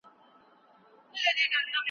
خپل احساسات څرګند کړئ.